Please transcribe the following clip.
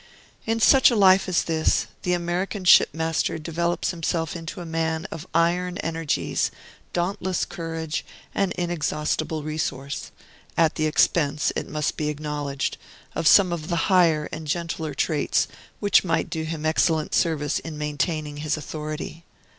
In such a life as this, the American shipmaster develops himself into a man of iron energies, dauntless courage, and inexhaustible resource, at the expense, it must be acknowledged, of some of the higher and gentler traits which might do him excellent service in maintaining his authority.